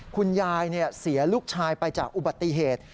คุณยายเสียลูกชายไปจากอุบัติเหตุ